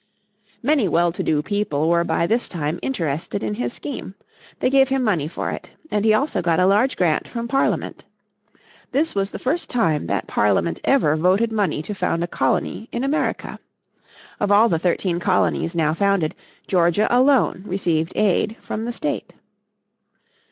Many well to do people were by this time interested in his scheme. They gave him money for it, and he also got a large grant from Parliament. This was the first time that Parliament ever voted money to found a colony in America. Of all the thirteen colonies now founded Georgia alone received aid from the State.